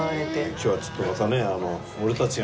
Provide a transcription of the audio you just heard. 今日はちょっとまたね